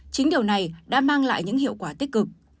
chính điều này đã mang lại những hiệu quả tích cực